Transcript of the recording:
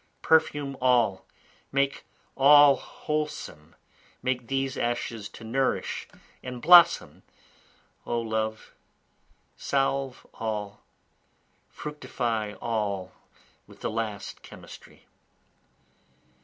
Perfume all make all wholesome, Make these ashes to nourish and blossom, O love, solve all, fructify all with the last chemistry.